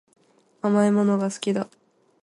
甘いものが好きだ